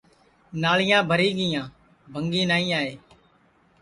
ناݪیاں بھری گیا بھنٚگی نائی آئے